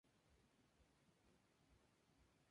Aplicó su oficio en la realización de muebles.